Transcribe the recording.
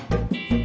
terus ini gimana